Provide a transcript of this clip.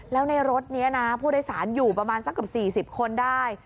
แล้วในรถนี้นะผู้โดยสารอยู่ประมาณสักเกือบ๔๐คนได้